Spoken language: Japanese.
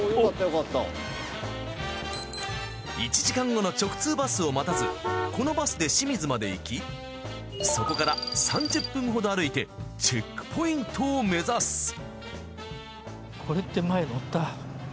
１時間後の直通バスを待たずこのバスで清水まで行きそこから３０分ほど歩いてチェックポイントを目指す。